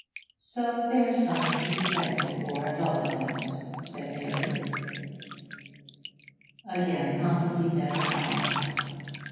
'So there's something to be thankful for, at all events,' said Mary. Again Humplebee met her eyes.